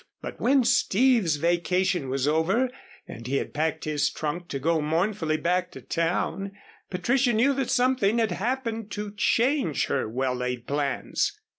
But when Steve's vacation was over and he had packed his trunk to go mournfully back to town, Patricia knew that something had happened to change her well laid plans.